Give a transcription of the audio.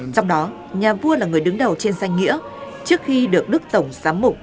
trong đó nhà vua là người đứng đầu trên danh nghĩa trước khi được đức tổng giám mục